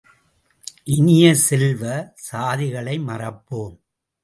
இனிய செல்வ, சாதிகளை மறப்போம்!